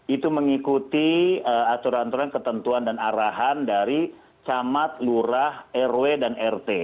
itu mengikuti aturan aturan ketentuan dan arahan dari camat lurah rw dan rt